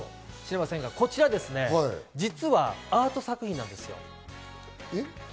こちら実はアート作品なんですよ。